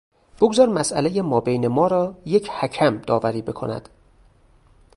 بگذار مسئلهی مابین ما را یک حکم داوری بکند.